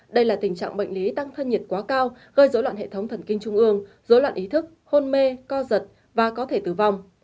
đây là tình trạng bệnh lý tăng thân nhiệt quá cao gây dối loạn hệ thống thần kinh trung ương dối loạn ý thức hôn mê co giật và có thể tử vong